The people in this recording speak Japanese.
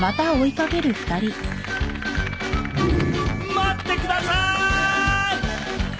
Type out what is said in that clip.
待ってください！